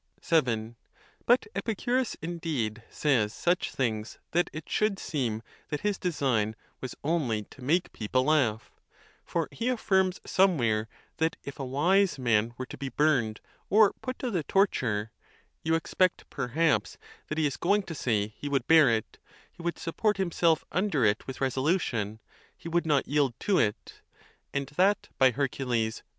VII. But Epicurus, indeed, says such things that it should seem that his design was only to make people laugh; for he affirms somewhere that if a wise man were to be burned or put to the torture — you expect, perhaps, ON BEARING PAIN. 71 that he is going to say he would bear it, he would support himself under it with resolution, he would not yield to it (and that, by Hercules!